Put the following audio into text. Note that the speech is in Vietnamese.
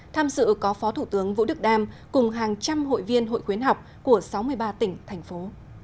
tham dự có phó thủ tướng vũ đức đam cùng hàng trăm hội viên hội khuyến học của sáu mươi ba tỉnh thành phố